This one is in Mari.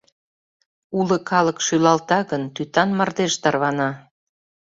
Уло калык шӱлалта гын, тӱтан мардеж тарвана.